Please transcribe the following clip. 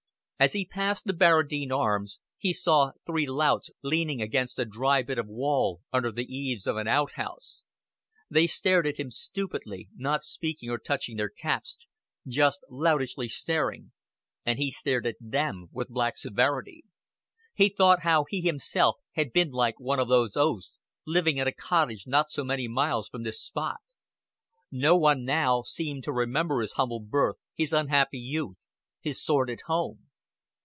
As he passed the Barradine Arms, he saw three louts leaning against a dry bit of wall under the eaves of an outhouse. They stared at him stupidly, not speaking or touching their caps, just loutishly staring; and he stared at them with black severity. He thought how he himself had been like one of those oafs, living in a cottage not so many miles from this spot. No one now seemed to remember his humble birth, his unhappy youth, his sordid home.